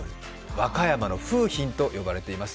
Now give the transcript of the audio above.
和歌山の楓浜と言われています。